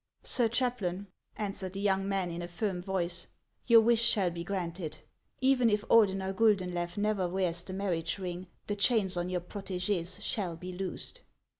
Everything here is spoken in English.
" Sir chaplain," answered the young man in a firm voice, " your wish shall be granted. Even if Ordeuer Guldeulew never wears the marriage ring, the chains of your protege* shall be loosed."